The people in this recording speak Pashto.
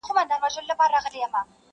دا بهار، او لاله زار، او ګلشن زما دی؛